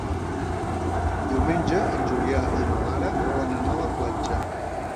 Diumenge en Julià i na Lara volen anar a la platja.